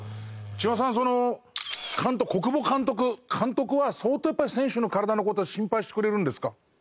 千葉さんその國保監督監督は相当やっぱり選手の体の事心配してくれるんですか？